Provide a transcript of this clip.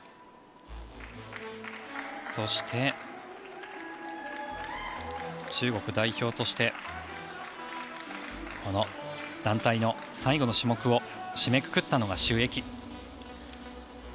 そして、中国代表としてこの団体の最後の種目を締めくくったのがシュ・エキ。